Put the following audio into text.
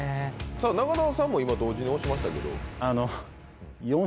中澤さんも今同時に押しましたけど。